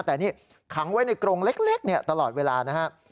แต่นี่ขังไว้ในกรงเล็กตลอดเวลานะครับ